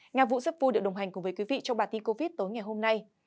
nga vũ giáp phu được đồng hành cùng quý vị trong bà tin covid tối ngày hôm nay